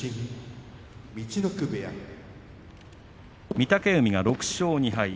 御嶽海が６勝２敗。